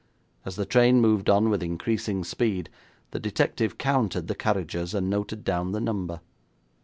As the train moved on with increasing speed, the detective counted the carriages, and noted down the number.